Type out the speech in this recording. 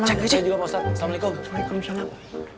saya juga pak ustadz